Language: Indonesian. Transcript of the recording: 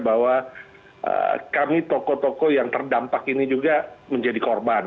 bahwa kami toko toko yang terdampak ini juga menjadi korban